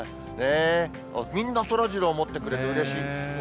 みんな、そらジロー持ってくれて、うれしい。